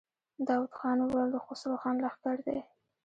داوود خان وويل: د خسرو خان لښکر دی.